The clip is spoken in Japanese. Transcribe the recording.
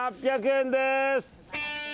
８００円です。